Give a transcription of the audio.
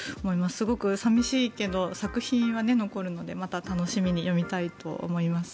すごく寂しいけど作品は残るのでまた楽しみに読みたいと思います。